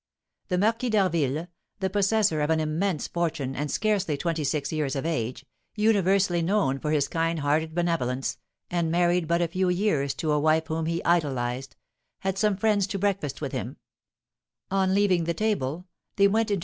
"The Marquis d'Harville, the possessor of an immense fortune, and scarcely twenty six years of age, universally known for his kind hearted benevolence, and married but a few years to a wife whom he idolised, had some friends to breakfast with him; on leaving the table, they went into M.